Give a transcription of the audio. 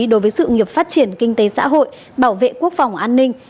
đối với sự nghiệp phát triển kinh tế xã hội bảo vệ quốc phòng an ninh